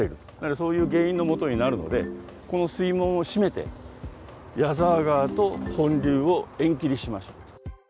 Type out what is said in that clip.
そういう原因のもとになるので、この水門を閉めて、谷沢川と本流を縁切りしました。